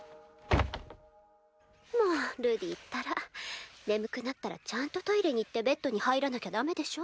もうルディったら眠くなったらちゃんとトイレに行ってベッドに入らなきゃ駄目でしょ。